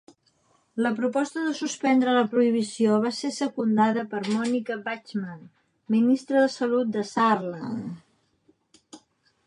La proposta de suspendre la prohibició va ser secundada per Monika Bachmann, Ministra de Salut de Saarland.